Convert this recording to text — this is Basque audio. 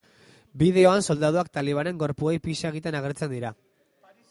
Bideoan soldaduak talibanen gorpuei pixa egiten agertzen dira.